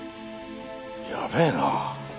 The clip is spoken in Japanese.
やべえな。